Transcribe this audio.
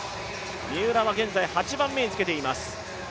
三浦は現在８番目につけています。